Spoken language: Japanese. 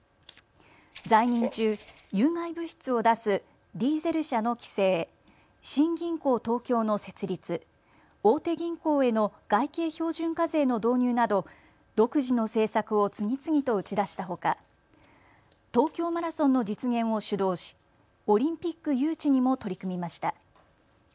在任中、有害物質を出すディーゼル車の規制、新銀行東京の設立、大手銀行への外形標準課税の導入など独自の政策を次々と打ち出したほか東京マラソンの実現を主導しオリンピック誘致にも取り組みました。